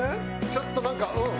ちょっとなんかうん。